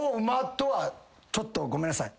ちょっとごめんなさい。